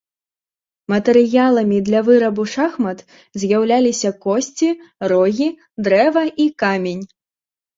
Матэрыяламі для вырабу шахмат з'яўляліся косці, рогі, дрэва і камень.